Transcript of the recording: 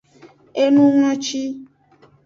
Enulengoci.